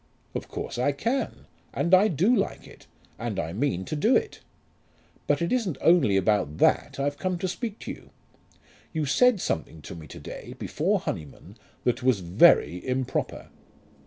"Of course I can; and I do like it, and I mean to do it. But it isn't only about that I've come to speak to you. You said something to me to day, before Honyman, that was very improper."